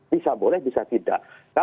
bisa boleh bisa tidak